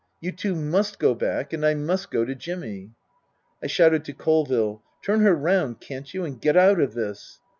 You two must go back and I must go to Jimmy." I shouted to Colville, " Turn her round, can't you, and get out of this."